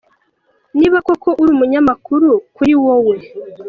Niba koko ari umunyakuri kuri wowe.